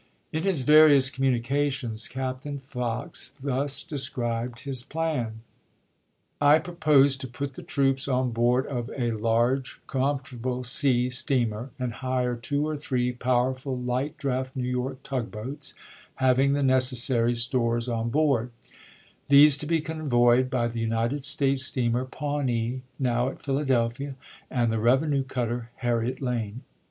In his various communications Captain Fox thus described his plan :, I propose to put the troops on board of a large, com fortable sea steamer, and hire two (or three) powerful light draught New York tug boats, having the necessary stores on board; these to be convoyed by the United States steamer Pawnee, now at Philadelphia, and the revenue cutter Harriet Lane.